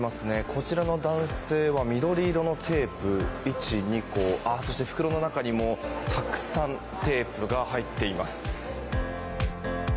こちらの男性は緑色のテープが２個そして袋の中にもたくさんテープが入っています。